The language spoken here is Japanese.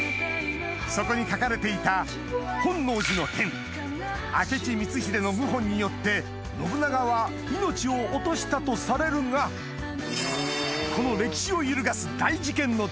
そこに書かれていた本能寺の変明智光秀の謀反によって信長は命を落としたとされるがについてえっ？